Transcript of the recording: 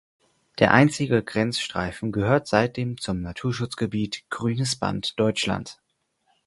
Der einstige Grenzstreifen gehört seitdem zum Naturschutzgebiet Grünes Band Deutschland.